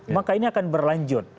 maka ini akan berlanjut